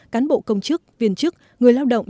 cán bộ công chức viên chức người lao động